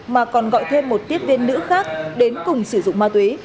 mà còn gọi thêm một tiếp viên nữ khác đến cùng sử dụng ma túy